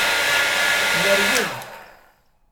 Nerwel.